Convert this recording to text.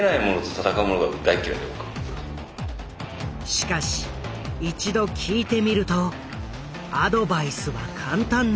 しかし一度聞いてみるとアドバイスは簡単なことだった。